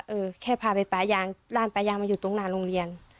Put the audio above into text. เออแค่พาไปปลายางร้านปลายางมาอยู่ตรงหน้าโรงเรียน